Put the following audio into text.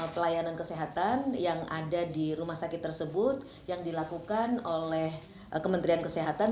pelayanan kesehatan yang ada di rumah sakit tersebut yang dilakukan oleh kementerian kesehatan